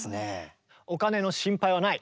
お金の心配はない。